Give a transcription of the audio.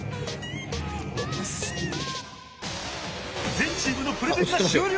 全チームのプレゼンが終了！